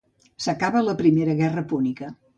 S'acaba la Primera Guerra Púnica.